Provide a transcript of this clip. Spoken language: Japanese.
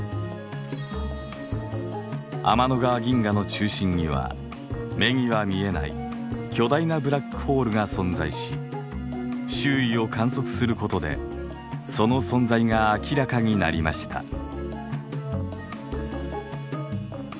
天の川銀河の中心には目には見えない巨大なブラックホールが存在し周囲を観測することでその存在が明らかになりました。